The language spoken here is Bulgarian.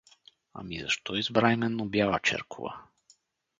— Ами защо избра именно Бяла черкова?